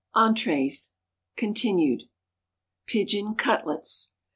ENTRÉES. Continued. _Pigeon Cutlets.